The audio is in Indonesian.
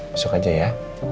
besok aja ya